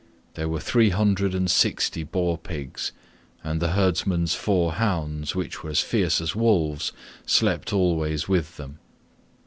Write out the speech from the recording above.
There were three hundred and sixty boar pigs, and the herdsman's four hounds, which were as fierce as wolves, slept always with them.